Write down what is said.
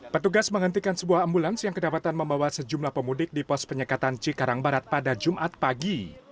petugas menghentikan sebuah ambulans yang kedapatan membawa sejumlah pemudik di pos penyekatan cikarang barat pada jumat pagi